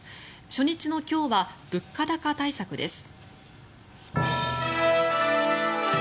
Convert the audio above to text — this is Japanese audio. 初日の今日は物価高対策です。